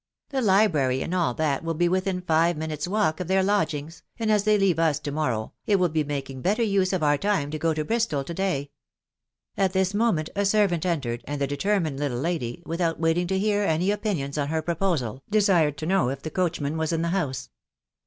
The library and all that will be within five minutes' walk of their lodgings, and as they leave Us to morrow, it will be making better use of our time to go to Bristol to day." At this moment a servant entered and the determined little lady, without waiting to hear any opinions on her proposal, desired to know if the coachman was in the house.